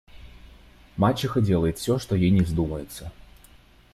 Мачеха делает всё, что ей ни вздумается.